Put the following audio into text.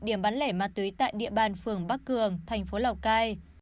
điểm bán lẻ ma túy tại địa bàn phường bắc cường thành phố lào cai